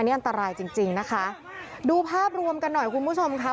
นี่อันตรายจริงจริงนะคะดูภาพรวมกันหน่อยคุณผู้ชมค่ะ